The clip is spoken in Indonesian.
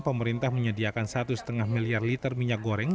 pemerintah menyediakan perusahaan untuk menjualan minyak goreng